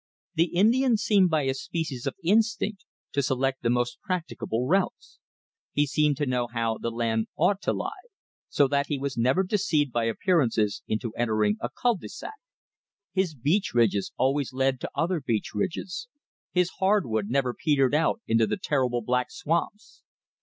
The Indian seemed by a species of instinct to select the most practicable routes. He seemed to know how the land ought to lie, so that he was never deceived by appearances into entering a cul de sac. His beech ridges always led to other beech ridges; his hardwood never petered out into the terrible black swamps.